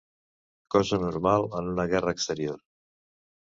Cosa normal en una guerra exterior